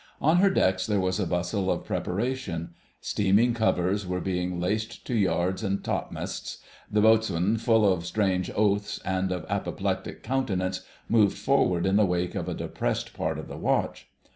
On her decks there was a bustle of preparation: steaming covers were being laced to yards and topmasts: the Boatswain, "full of strange oaths" and of apoplectic countenance, moved forward in the wake of a depressed part of the watch.